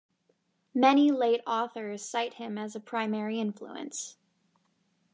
Many later authors cite him as a primary influence.